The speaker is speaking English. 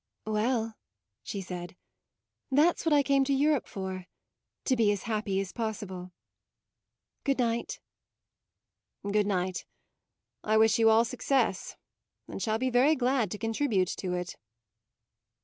"Well," she said, "that's what I came to Europe for, to be as happy as possible. Good night." "Good night! I wish you all success, and shall be very glad to contribute to it!"